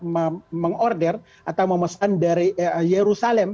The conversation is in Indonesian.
yang meng order atau memesan dari yerusalem